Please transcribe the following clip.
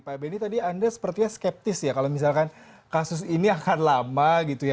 pak benny tadi anda sepertinya skeptis ya kalau misalkan kasus ini akan lama gitu ya